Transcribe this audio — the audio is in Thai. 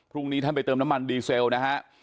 พรุ่งนี้ท่านไปเติมน้ำมันดีเซลนะฮะ